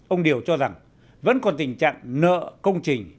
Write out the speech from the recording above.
ông điều cho rằng vẫn còn tình trạng nợ công trình